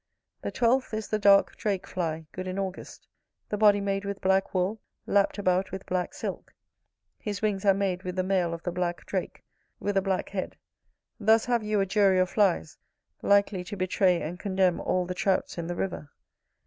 The twelfth is the dark drake fly, good in August: the body made with black wool, lapt about with black silk; his wings are made with the mail of the black drake, with a black head. Thus have you a jury of flies, likely to betray and condemn all the Trouts in the river.